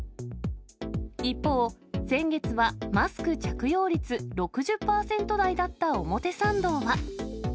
一方、先月はマスク着用率６０％台だった表参道は。